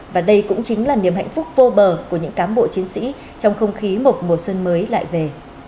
và đây cũng chính là niềm hạnh phúc vô bờ của những cám bộ chiến sĩ trong không khí một mùa xuân mới lại về